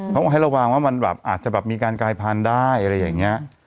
เขาบอกให้ระวังว่ามันแบบอาจจะแบบมีการกายพันธุ์ได้อะไรอย่างนี้